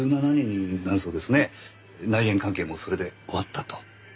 内縁関係もそれで終わったと。